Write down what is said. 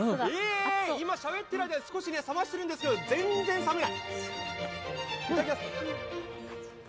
今しゃべってる間に少し冷ましているんですけど、全然冷めない。